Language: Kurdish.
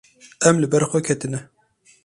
Em li ber xwe ketine.